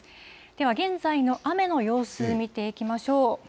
では、現在の雨の様子、見ていきましょう。